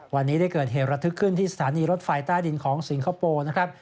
วันนี้ได้เกิดเหตุระทึกขึ้นที่สถานีรถไฟใต้ดินของสิงคโปร์นะครับ